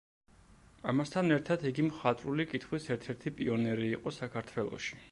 ამასთან ერთად იგი მხატვრული კითხვის ერთ-ერთი პიონერი იყო საქართველოში.